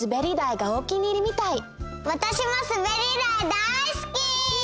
わたしもすべり台大すき！